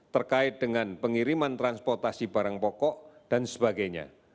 terkait dengan pengiriman transportasi barang pokok dan sebagainya